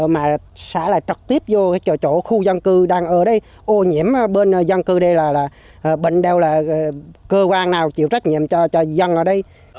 mà xả lại trọc tiếp vô chỗ khu dân cư đang ở đây ô nhiễm bên dân cư đây là bệnh đeo là cơ quan nào chịu trách nhiệm cho dân ở đây